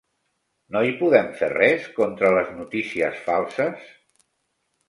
No hi podem fer res contra les notícies falses?